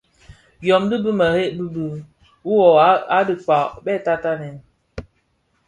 Yodhi, bi mereb be be, wuo a dhikpa, bè tatanèn,